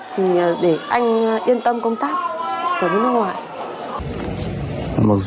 để anh yên tâm công tác